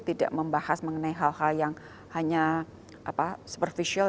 tidak membahas mengenai hal hal yang hanya superficial